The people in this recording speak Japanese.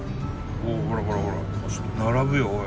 おほらほらほら並ぶよおい。